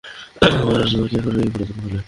তখন তোমার যত্ন কে করবে, এই পুরাতন মহলে?